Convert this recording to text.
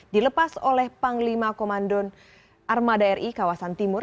dilepas oleh panglima komandon armada ri kawasan timur